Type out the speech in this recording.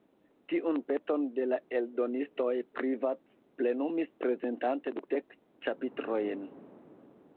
Tiun peton de la eldonistoj Privat plenumis prezentante dudek ĉapitrojn.